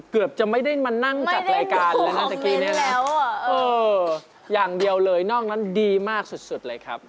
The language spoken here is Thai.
เกือบจะไม่ได้มานั่งจัดรายการแล้วนะตะกี้นี่แหละเอออย่างเดียวเลยนอกนั้นดีมากสุดเลยครับ